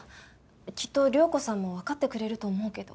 きっと涼子さんもわかってくれると思うけど。